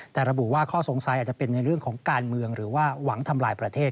แต่ระบุว่าข้อสงสัยอาจจะเป็นในเรื่องของการเมืองหรือว่าหวังทำลายประเทศ